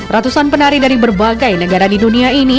ratusan penari dari berbagai negara di dunia ini